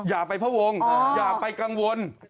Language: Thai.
อย่าไปพระวงศ์อย่าไปกังวล